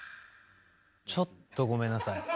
ちょっとごめんなさい。